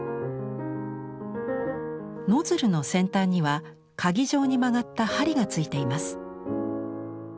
ノズルの先端にはかぎ状に曲がった針が付いています。